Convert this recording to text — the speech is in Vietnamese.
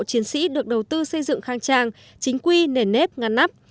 chiến sĩ được đầu tư xây dựng khang trang chính quy nền nếp ngăn nắp